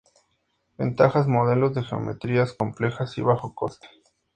Ventajas:Modelos de geometrías complejas y bajo coste.